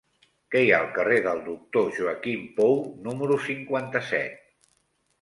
Què hi ha al carrer del Doctor Joaquim Pou número cinquanta-set?